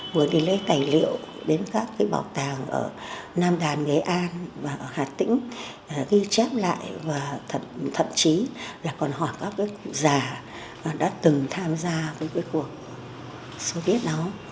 vừa đi lấy tài liệu đến các cái bảo tàng ở nam đàn nghệ an và hà tĩnh ghi chép lại và thậm chí là còn hỏi các cụ già đã từng tham gia với cái cuộc soviet đó